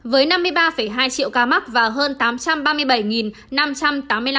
với năm mươi ba hai triệu ca mắc và hơn tám trăm ba mươi bảy ca